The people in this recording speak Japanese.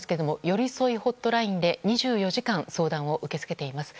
よりそいホットラインで２４時間相談を受け付けています。